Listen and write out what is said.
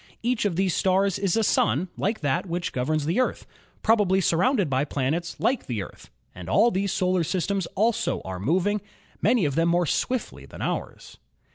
Each of these stars is a sun like that which governs the Earth, probably surrounded by planets like the Earth, and all these solar systems also are moving, many of them more swiftly than ours.